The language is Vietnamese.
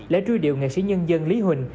lễ truy điệu nghệ sĩ nhân dân lý huỳnh